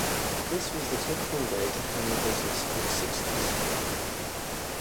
This was the typical way to handle business in the sixties.